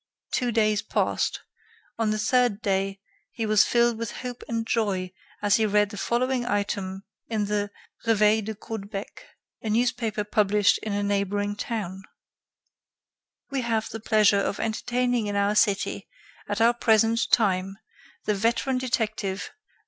Two days passed; on the third day, he was filled with hope and joy as he read the following item in the 'Reveil de Caudebec', a newspaper published in a neighboring town: "We have the pleasure of entertaining in our city, at the present time, the veteran detective Mon.